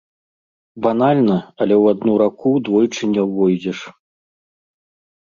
Банальна, але ў адну раку двойчы не ўвойдзеш.